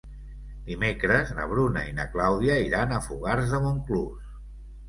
Dimecres na Bruna i na Clàudia iran a Fogars de Montclús.